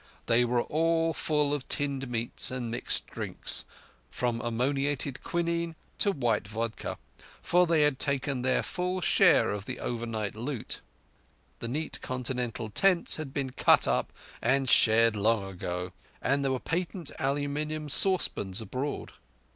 They were all full of tinned meats and mixed drinks, from ammoniated quinine to white vodka, for they had taken their full share in the overnight loot. The neat Continental tents had been cut up and shared long ago, and there were patent aluminium saucepans abroad.